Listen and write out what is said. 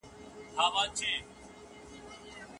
سياستپوهنه موږ ته د سياسي نظامونو څرنګوالي راښيي.